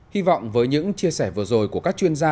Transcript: hy vọng với những chia sẻ vừa rồi của các chuyên gia